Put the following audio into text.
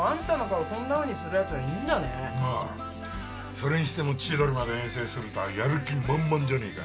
それにしても千鳥まで遠征するとはやる気満々じゃねえか。